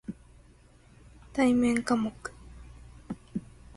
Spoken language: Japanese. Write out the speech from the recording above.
対面科目